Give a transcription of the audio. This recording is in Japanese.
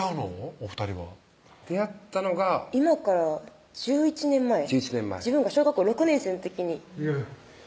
お２人は出会ったのが今から１１年前自分が小学生６年生の時に・えぇっ・